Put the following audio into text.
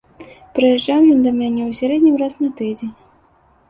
Прыязджаў ён да мяне ў сярэднім раз на тыдзень.